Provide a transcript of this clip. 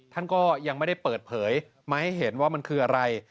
ท่านก็ยังไม่ได้เปิดเผยมาให้เห็นว่ามันคืออะไร